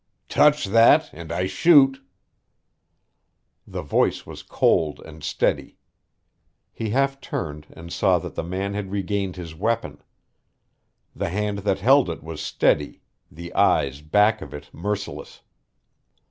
"Touch that and I shoot." The voice was cold and steady. He half turned and saw that the man had regained his weapon. The hand that held it was steady, the eyes back of it merciless.